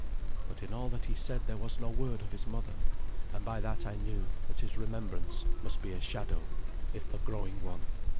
But in all that he said there was no word of his mother, and by that I knew that his remembrance must be but a shadow, if a growing one.